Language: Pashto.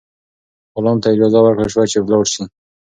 غلام ته اجازه ورکړل شوه چې لاړ شي.